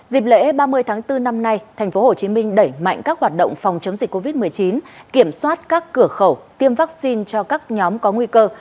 dịp lễ ba mươi tháng bốn năm nay tp hcm đẩy mạnh các hoạt động phòng chống dịch covid một mươi chín kiểm soát các cửa khẩu tiêm vaccine cho các nhóm có nguy cơ